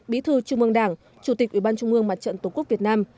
bí thư trung ương đảng chủ tịch ủy ban trung ương mặt trận tổ quốc việt nam